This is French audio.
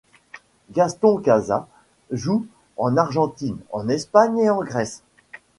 Gastón Casas joue en Argentine, en Espagne et en Grèce.